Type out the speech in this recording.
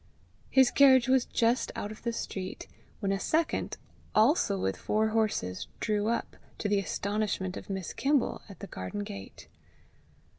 His carriage was just out of the street, when a second, also with four horses, drew up, to the astonishment of Miss Kimble, at the garden gate.